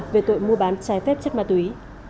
về tội mua bán trái phép chất ma túy